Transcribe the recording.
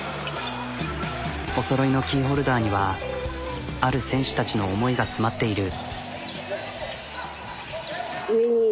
おそろいのキーホルダーにはある選手たちの思いが詰まっている。